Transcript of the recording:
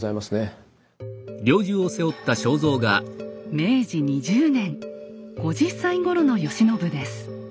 明治２０年５０歳ごろの慶喜です。